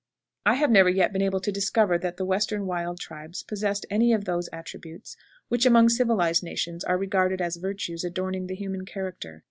I have never yet been able to discover that the Western wild tribes possessed any of those attributes which among civilized nations are regarded as virtues adorning the human character.